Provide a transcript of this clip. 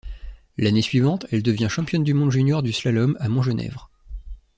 L'année suivante, elle devient championne du monde juniors du slalom à Montgenèvre.